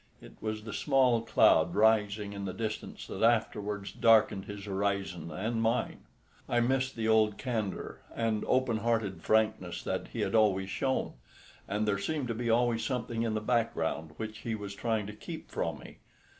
It was the small cloud rising in the distance that afterwards darkened his horizon and mine. I missed the old candour and open hearted frankness that he had always shown; and there seemed to be always something in the background which he was trying to keep from me.